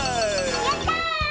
やった！